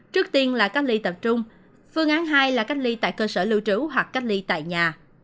trước tiên là cách ly tập trung phương án hai là cách ly tại cơ sở lưu trú hoặc cách ly tại nhà